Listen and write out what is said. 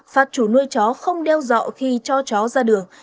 phạt chủ nuôi chó không đeo dọ khi cho chó ra đường